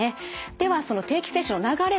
ではその定期接種の流れ